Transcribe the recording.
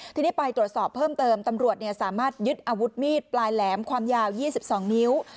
ทีนี้ไปตรวจสอบเพิ่มเติมตำรวจสามารถยึดอาวุธมีดปลายแหลมความยาว๒๒นิ้ว